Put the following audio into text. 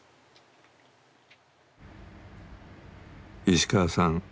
石川さん